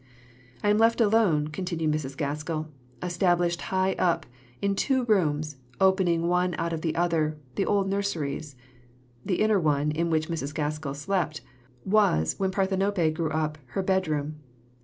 "I am left alone," continued Mrs. Gaskell, "established high up, in two rooms, opening one out of the other the old nurseries." (The inner one, in which Mrs. Gaskell slept, was, when Parthenope grew up, her bedroom.)